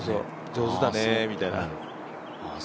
上手だね、みたいな。